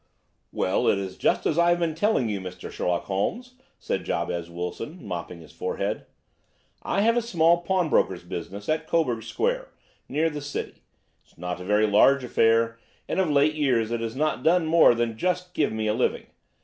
"Well, it is just as I have been telling you, Mr. Sherlock Holmes," said Jabez Wilson, mopping his forehead; "I have a small pawnbroker's business at Coburg Square, near the City. It's not a very large affair, and of late years it has not done more than just give me a living.